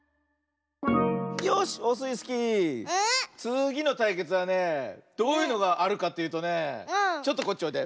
よしオスイスキーつぎのたいけつはねどういうのがあるかというとねちょっとこっちおいで。